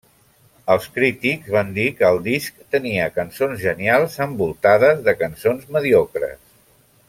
Els crítics van dir que el disc tenia cançons genials envoltades de cançons mediocres.